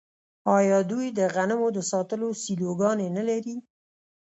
آیا دوی د غنمو د ساتلو سیلوګانې نلري؟